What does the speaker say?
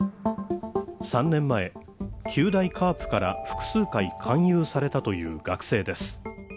３年前、九大ＣＡＲＰから複数回勧誘されたという学生です。